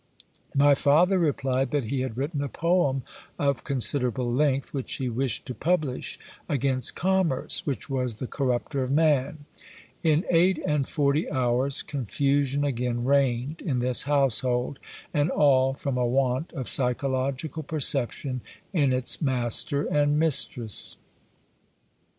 My father replied that he had written a poem of considerable length, which he wished to publish, against Commerce, which was the corrupter of man. In eight and forty hours confusion again reigned in this household, and all from a want of psychological perception in its master and mistress.